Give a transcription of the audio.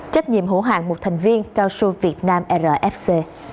trách nhiệm hữu hạng một thành viên cao su việt nam rfc